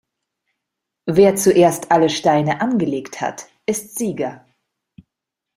Wer zuerst alle Steine angelegt hat, ist Sieger.